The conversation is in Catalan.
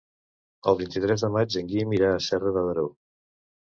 El vint-i-tres de maig en Guim irà a Serra de Daró.